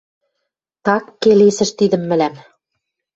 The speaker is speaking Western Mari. Так келесӹш тидӹм мӹлӓм